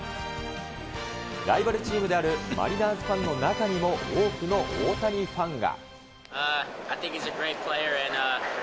ライバルチームであるマリナーズファンの中にも多くの大谷ファンが。